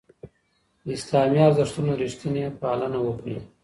د اسلامي ارزښتونو رښتینې پالنه وکړئ.